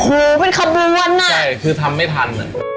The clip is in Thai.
โอ้โหเป็นขบวนน่ะใช่คือทำไม่ทัน